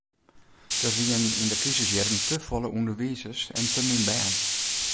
Der wienen yn de krisisjierren te folle ûnderwizers en te min bern.